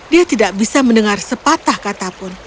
dia tidak bisa mendengar sepatah katapun